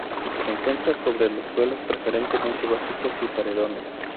Se encuentra sobre suelos preferentemente básicos y paredones.